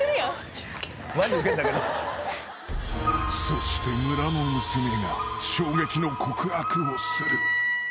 ［そして村の娘が衝撃の告白をする］